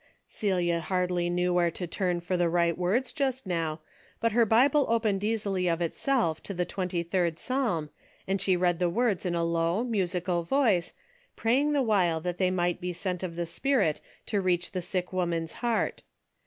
Celia hardly knew where to turn for the right words just now, but her Bible opened easily of itself to the twenty third psalm and she read the words in a low, musical voice, praying the while that they might be sent of the Spirit to reach the sick woman's heart.